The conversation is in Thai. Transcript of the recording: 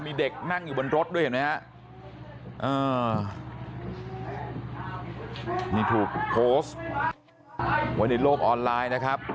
มีเด็กนั่งอยู่บนรถด้วยเห็นไหมฮะนี่ถูกโพสต์ไว้ในโลกออนไลน์นะครับ